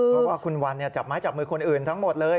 เพราะว่าคุณวันจับไม้จับมือคนอื่นทั้งหมดเลย